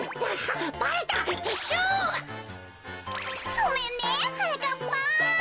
ごめんねはなかっぱん。